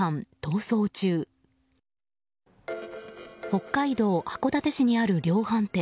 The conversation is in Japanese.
北海道函館市にある量販店。